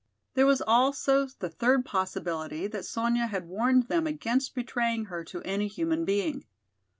There was also the third possibility that Sonya had warned them against betraying her to any human being.